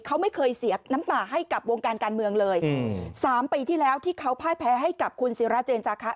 เขาไม่เคยเสียน้ำตาให้กับวงการการเมืองเลยอืมสามปีที่แล้วที่เขาพ่ายแพ้ให้กับคุณศิราเจนจาคะ